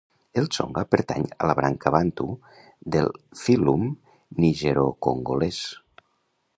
El tsonga pertany a la branca bantu del fílum nigerocongolès.